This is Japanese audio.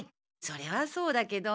それはそうだけど。